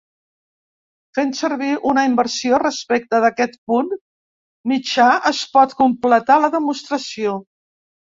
Fent servir una inversió respecte d'aquest punt mitjà es pot completar la demostració.